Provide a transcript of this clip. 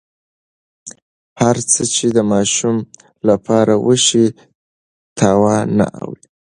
هره هڅه چې د ماشوم لپاره وشي، تاوان نه اړوي.